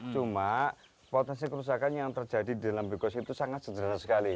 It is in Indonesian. cuma potensi kerusakan yang terjadi di dalam bikos itu sangat sederhana sekali